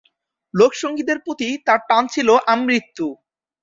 লোকসঙ্গীতের প্রতি তার টান ছিল আমৃত্যু।